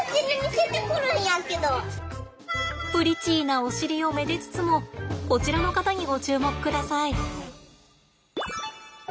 プリチーなお尻をめでつつもこちらの方にご注目ください。